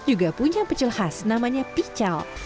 juga punya pecel khas namanya pical